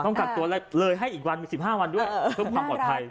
กักตัวเลยให้อีกวันมี๑๕วันด้วยเพื่อความปลอดภัย